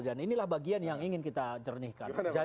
dan inilah bagian yang ingin kita jernihkan